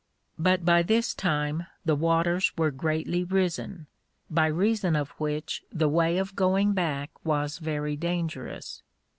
_ But by this time the waters were greatly risen; by reason of which the way of going back was very dangerous.